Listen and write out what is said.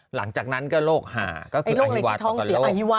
หลังจากนั้นก็โรคหาก็คืออฮิวาตกับโรค